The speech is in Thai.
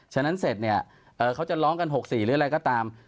ฉะนั้นเสร็จเนี่ยเขาจะร้องกัน๖๔หรืออะไรก็ตาม